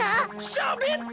しゃべった！？